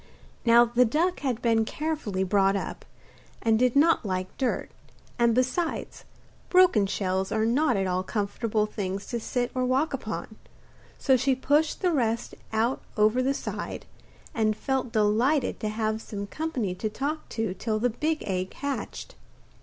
Now the duck had been carefully brought up, and did not like dirt, and, besides, broken shells are not at all comfortable things to sit or walk upon; so she pushed the rest out over the side, and felt delighted to have some company to talk to till the big egg hatched.